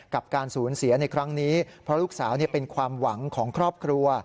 กับการสูญเสียในครั้งนี้เพราะลูกสาวเป็นความหวังของครอบครัว